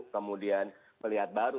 kemudian melihat baru